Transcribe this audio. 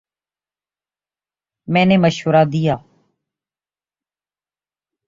میں نے مشورہ دیا